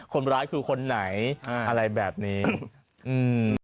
คนร้ายคือคนไหนอ่าอะไรแบบนี้อืม